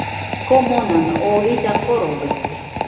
Komonano oo jisa korobaite